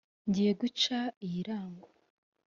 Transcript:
ngiye guca iy’ irango